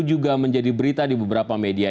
juga menjadi berita di beberapa media